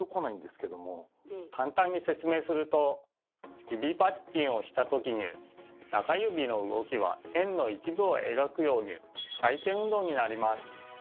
簡単に説明すると指パッチンをしたときに中指の動きは円の一部を描くように回転運動になります。